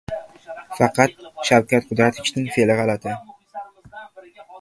Faqat Shavkat Qudratovichning fe’li g'alati.